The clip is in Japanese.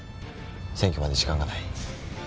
選挙まで時間がない。